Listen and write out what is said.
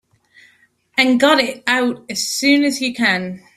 And got it out as soon as you can.